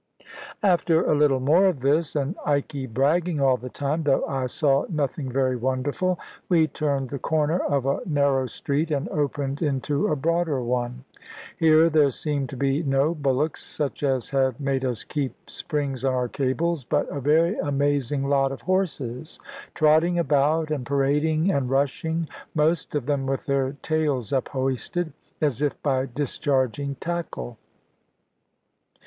After a little more of this, and Ikey bragging all the time, though I saw nothing very wonderful, we turned the corner of a narrow street, and opened into a broader one. Here there seemed to be no bullocks, such as had made us keep springs on our cables, but a very amazing lot of horses, trotting about, and parading, and rushing, most of them with their tails uphoisted, as if by discharging tackle.